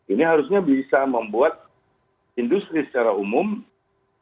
ini harusnya bisa membuat industri seluruh dunia lebih murah